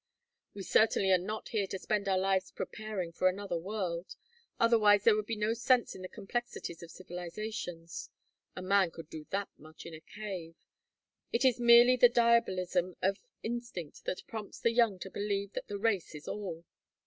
"We certainly are not here to spend our lives preparing for another world. Otherwise there would be no sense in the complexities of civilizations. A man could do that much in a cave. It is merely the diabolism of instinct that prompts the young to believe that the race is all.